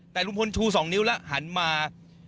แต่ลุงพลชู๒นิ้วแล้วหันมา